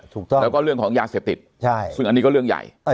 ถูกต้องแล้วก็เรื่องของยาเสพติดซึ่งอันนี้ก็เรื่องใหญ่